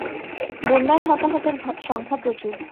বন্যায় হতাহতের সংখ্যা প্রচুর।